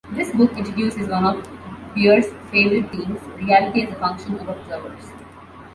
This book introduces one of Bear's favorite themes: reality as a function of observers.